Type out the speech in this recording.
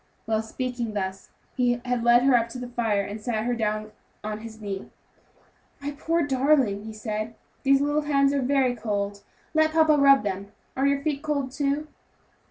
While speaking thus he had led her up to the fire and sat down with her on his knee. "My poor darling!" he said, "these little hands are very cold, let papa rub them; and are your feet cold too?"